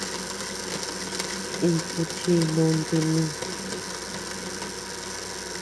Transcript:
Iku chi nunti mi.